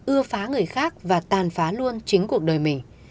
ưa phá người khác và tàn phá luôn chính cuộc đời mình